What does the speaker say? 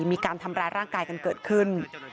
มีการทำร้ายร่างกายกันเกิดขึ้น